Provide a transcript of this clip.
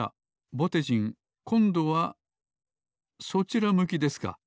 ぼてじんこんどはそちら向きですか。